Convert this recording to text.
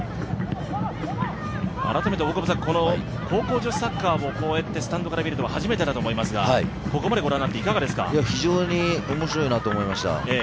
改めて高校女子サッカーをこうやってスタンドから見るのは初めてだと思いますが非常に面白いなと思いました。